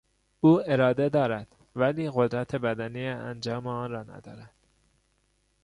او اراده دارد ولی قدرت بدنی انجام آن را ندارد.